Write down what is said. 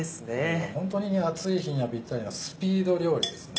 もうホントに暑い日にはピッタリなスピード料理ですね。